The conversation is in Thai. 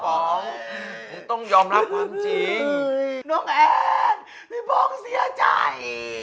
น้องแอดรีโปรกเสียใจ